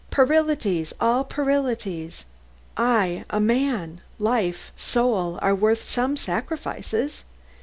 "Puerilities! all puerilities. A man's life soul are worth some sacrifices.